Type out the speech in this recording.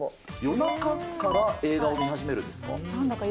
夜中から映画を見始めるんですか。